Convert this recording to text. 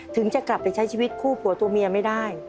จะกลับไปใช้ชีวิตคู่ผัวตัวเมียไม่ได้